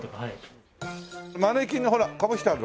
マネキンのほらかぶしてある。